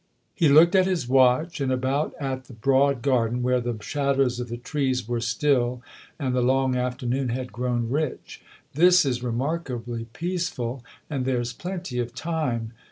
He looked at his watch and about at the broad garden where the shadows of the trees were still and the long afternoon had grown rich. " This is remarkably peaceful, and there's plenty of time."